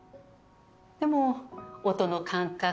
でも音の感覚